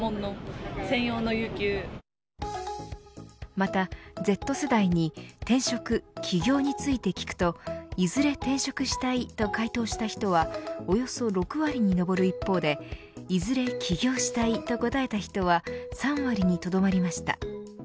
また、Ｚ世代に転職、起業について聞くといずれ転職したいと回答した人はおよそ６割に上る一方でいずれ起業したいと答えた人は３割にとどまりました。